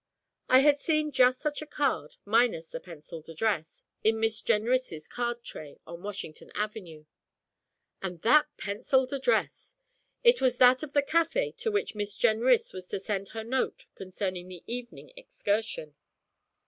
I had seen just such a card, minus the pencilled address, in Miss Jenrys' card tray on Washington Avenue; and that pencilled address! It was that of the café to which Miss Jenrys was to send her note concerning the evening excursion.